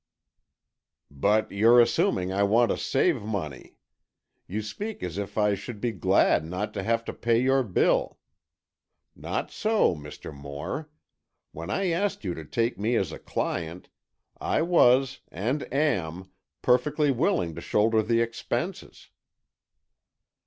"But you're assuming I want to save money. You speak as if I should be glad not to have to pay your bill. Not so, Mr. Moore. When I asked you to take me as a client, I was, and am, perfectly willing to shoulder the expenses."